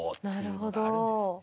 なるほど。